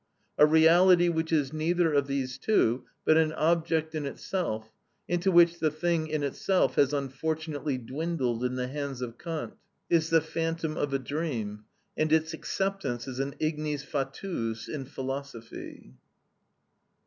A reality which is neither of these two, but an object in itself (into which the thing in itself has unfortunately dwindled in the hands of Kant), is the phantom of a dream, and its acceptance is an ignis fatuus in philosophy.